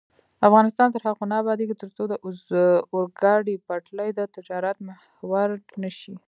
افغانستان تر هغو نه ابادیږي، ترڅو د اورګاډي پټلۍ د تجارت محور نشي.